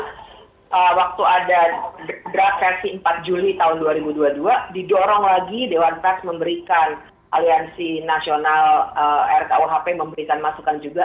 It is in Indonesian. karena waktu ada draf versi empat juli tahun dua ribu dua puluh dua didorong lagi dewan pras memberikan aliansi nasional rkuhp memberikan masukan juga